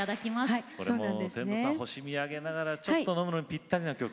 これもう天童さん星見上げながらちょっと飲むのにぴったりな曲。